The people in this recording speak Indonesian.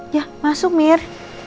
ya masuk mir